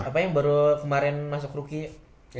apa yang baru kemarin masuk rookie